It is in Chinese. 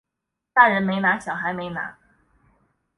大人没拿小孩没拿